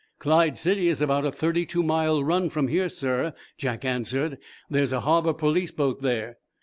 "Clyde City is about a thirty two mile run from here, sir," Jack answered. "There's a harbor police boat there."